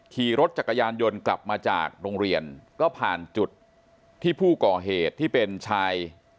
ขี่รถจักรยานยนต์กลับมาจากโรงเรียนก็ผ่านจุดที่ผู้ก่อเหตุที่เป็นชาย